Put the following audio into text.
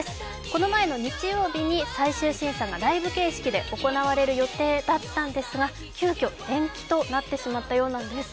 この前の日曜日に最終審査がライブ形式で行われる予定だったんですが急きょ延期となってしまったようなんです。